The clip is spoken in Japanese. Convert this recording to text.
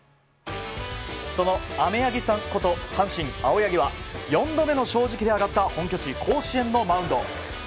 その雨柳さんこと阪神、青柳さんは４度目の正直で上がった本拠地・甲子園のマウンド。